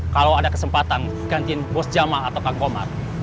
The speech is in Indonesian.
kalau ada kesempatan gantiin bos jamal atau kang umar